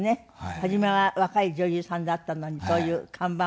初めは若い女優さんだったのにそういう看板までいくってね。